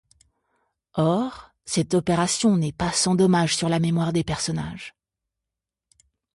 Or, cette opération n'est pas sans dommage sur la mémoire des personnages.